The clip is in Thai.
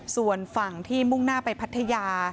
ส่วนฝั่งที่มุ่งหน้าไปพัทยา